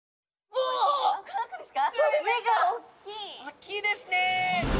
大きいですね。